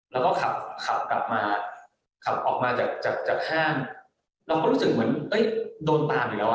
แล้วก็ขับออกมาจากห้างเราก็รู้สึกเหมือนโดนตามอยู่แล้ว